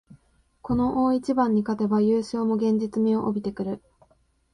この大一番に勝てば優勝も現実味を帯びてくる